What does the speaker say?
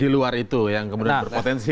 di luar itu yang kemudian berpotensi